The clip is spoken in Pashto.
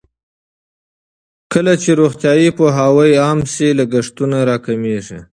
کله چې روغتیايي پوهاوی عام شي، لګښتونه راکمېږي.